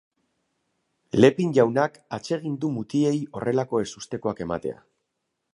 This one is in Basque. Lepic jaunak atsegin du mutilei horrelako ezustekoak ematea.